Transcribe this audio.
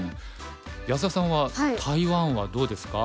安田さんは台湾はどうですか？